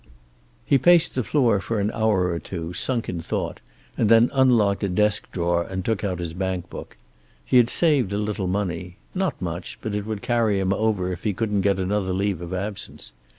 He paced the floor for an hour or two, sunk in thought, and then unlocked a desk drawer and took out his bankbook. He had saved a little money. Not much, but it would carry him over if he couldn't get another leave of absence.